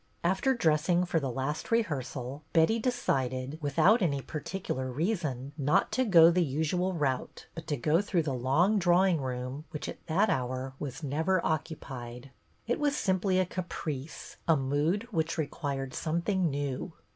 After dressing for the last rehearsal Betty decided, without any particular reason, not to go the usual route but to go through the long drawing room, which, at that hour, was never occupied. It was simply a ca price, a mood which required something new.